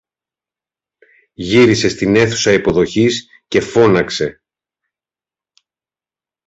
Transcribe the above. Γύρισε στην αίθουσα υποδοχής και φώναξε